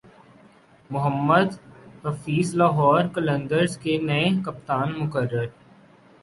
محمد حفیظ لاہور قلندرز کے نئے کپتان مقرر